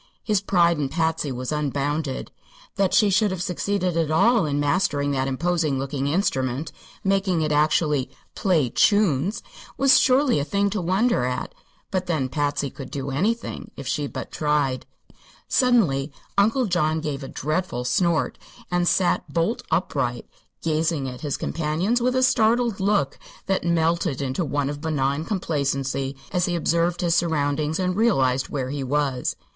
His pride in Patsy was unbounded. That she should have succeeded at all in mastering that imposing looking instrument making it actually "play chunes" was surely a thing to wonder at. But then, Patsy could do anything, if she but tried. Suddenly Uncle John gave a dreadful snort and sat bolt upright, gazing at his companions with a startled look that melted into one of benign complacency as he observed his surroundings and realized where he was.